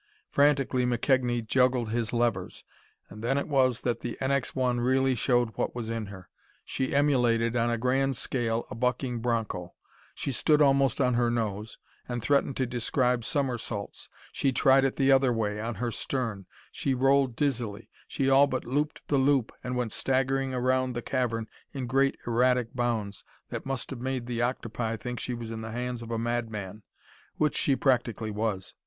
Frantically McKegnie juggled his levers, and then it was that the NX 1 really showed what was in her. She emulated, on a grand scale, a bucking bronco: she stood almost on her nose, and threatened to describe somersaults; she tried it the other way, on her stern; she rolled dizzily; she all but looped the loop, and went staggering around the cavern in great erratic bounds that must have made the octopi think she was in the hands of a mad man which she practically was.